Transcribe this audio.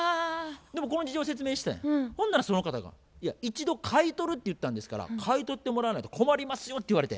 でもこの事情を説明してほんならその方が「一度買い取るって言ったんですから買い取ってもらわないと困りますよ」って言われて。